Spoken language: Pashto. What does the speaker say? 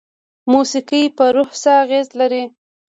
موسیقي په روح څه اغیزه لري؟